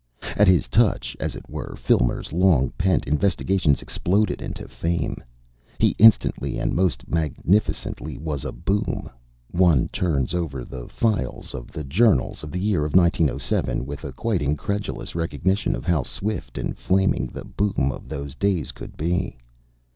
At his touch, as it were, Filmer's long pent investigations exploded into fame. He instantly and most magnificently was a Boom. One turns over the files of the journals of the year 1907 with a quite incredulous recognition of how swift and flaming the boom of those days could be.